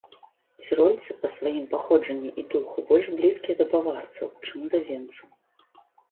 Цірольцы па сваім паходжанні і духу больш блізкія да баварцаў, чым да венцаў.